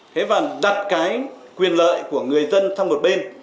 thế và đặt cái quyền lợi của người dân sang một bên